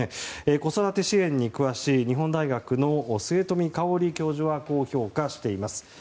子育て支援に詳しい日本大学の末冨芳教授はこう評価しています。